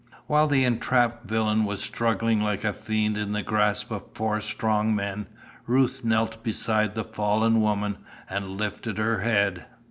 While the entrapped villain was struggling like a fiend in the grasp of four strong men, Ruth knelt beside the fallen woman and lifted her head.